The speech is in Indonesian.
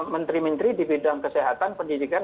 menteri menteri di bidang kesehatan pendidikan